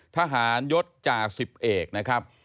ทหารยศจ่าสิบเอกนะครับ